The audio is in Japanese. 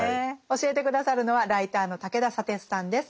教えて下さるのはライターの武田砂鉄さんです。